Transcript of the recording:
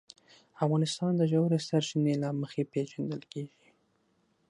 افغانستان د ژورې سرچینې له مخې پېژندل کېږي.